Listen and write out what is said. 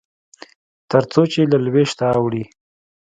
تر څو چې له لوېشته اوړي.